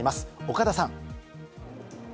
岡田さん。